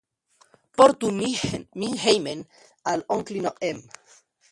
Portu min hejmen al Onklino Em?